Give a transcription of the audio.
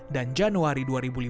dan januari dua ribu lima belas